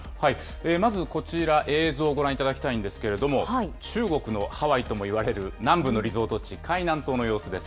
まずこちら、映像ご覧いただきたいんですけれども、中国のハワイともいわれる南部のリゾート地、海南島の様子です。